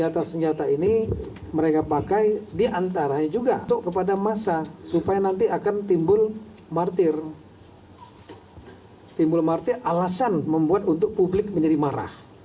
tito karnavian kapolri jenderal tito karnavian